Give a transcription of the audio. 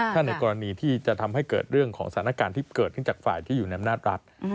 ถ้าในกรณีที่จะทำให้เกิดเรื่องของสถานการณ์ที่เกิดขึ้นจากฝ่ายที่อยู่ในอำนาจรัฐ